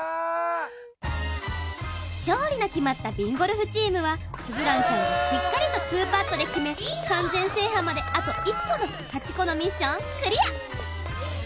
勝利の決まったＢＩＮＧＯＬＦチームは鈴蘭ちゃんがしっかりとツーパットで決め完全制覇まであと一歩の８個のミッションクリア。